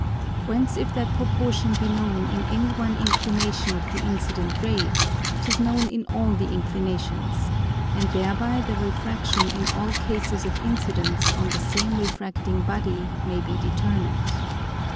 _ Whence if that Proportion be known in any one Inclination of the incident Ray, 'tis known in all the Inclinations, and thereby the Refraction in all cases of Incidence on the same refracting Body may be determined.